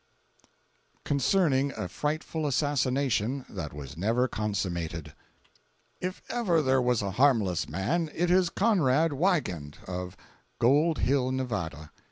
CONCERNING A FRIGHTFUL ASSASSINATION THAT WAS NEVER CONSUMMATED [If ever there was a harmless man, it is Conrad Wiegand, of Gold Hill, Nevada.